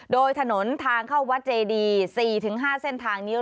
โดยถนนทางเข้าวัดเจดี๔๕เส้นทางนี้